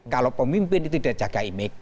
kalau pemimpin itu tidak jaga image